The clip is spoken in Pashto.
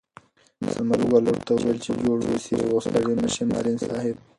ثمر ګل ورته وویل چې جوړ اوسې او ستړی مه شې معلم صاحب.